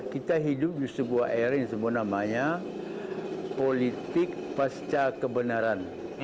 kita hidup di sebuah era yang disebut namanya politik pasca kebenaran